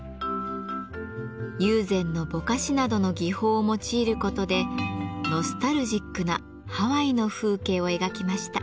友禅の「ぼかし」などの技法を用いることでノスタルジックなハワイの風景を描きました。